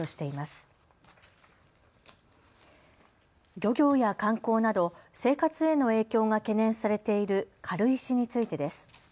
漁業や観光など生活への影響が懸念されている軽石についてです。